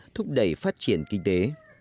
thúc đẩy phát triển kinh tế